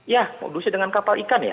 ya modusnya dengan kapal ikan ya